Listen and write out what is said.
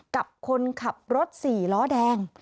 กับคนขับรถ๔ล้อแดง